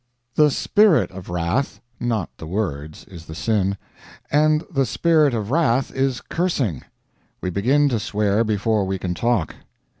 The spirit of wrath not the words is the sin; and the spirit of wrath is cursing. We begin to swear before we can talk.